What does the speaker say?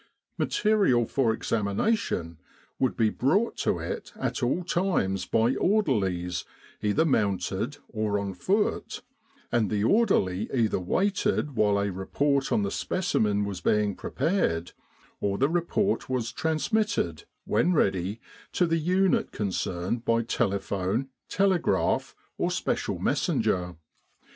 Material for examination would be brought to it at all times by orderlies either mounted or on foot, and the orderly either waited while a report on the specimen was being prepared, or the report was transmitted, when ready, to the unit concerned by telephone, telegraph, or special messenger.